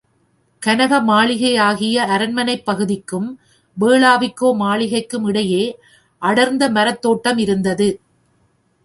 கனக மாளிகையாகிய அரண்மனைப் பகுதிக்கும், வேளாவிக்கோ மாளிகைக்கும் இடையே அடர்ந்த மரத்தோட்டம் இருந்தது.